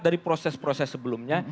dari proses proses sebelumnya